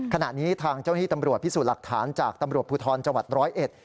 ขณะนี้ทางเจ้าหน้าที่ตำรวจพิสูจน์หลักฐานจากตำรวจภูทรจังหวัดร้อยเอ็ด